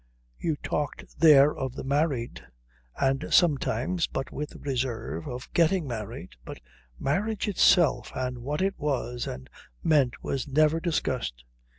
You talked there of the married, and sometimes, but with reserve, of getting married, but marriage itself and what it was and meant was never discussed.